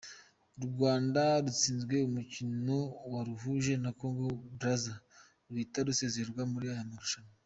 U Rwanda rutsinzwe umukino waruhuje na Congo Brazza, ruhita rusezererwa muri aya marushanwa.